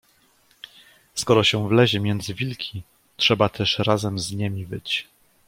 "Skoro się wlezie między wilki, trzeba też razem z niemi wyć."